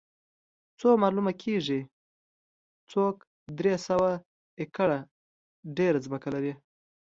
څو معلومه کړي څوک درې سوه ایکره ډېره ځمکه لري